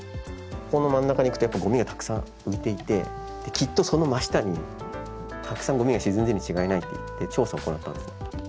ここの真ん中に行くとやっぱごみがたくさん浮いていてきっとその真下にたくさんごみが沈んでいるに違いないっていって調査を行ったんですよ。